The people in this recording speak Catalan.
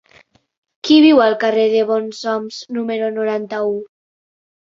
Qui viu al carrer de Bonsoms número noranta-u?